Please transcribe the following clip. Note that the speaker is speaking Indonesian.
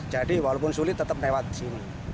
jadi walaupun sulit tetap lewat sini